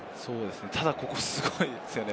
ただここ、すごいですよね。